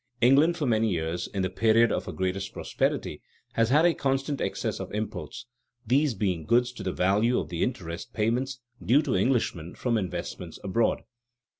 England for many years in the period of her greatest prosperity has had a constant excess of imports, these being goods to the value of the interest payments due to Englishmen from investments abroad.